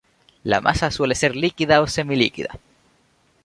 La masa suele ser líquida o semi-líquida.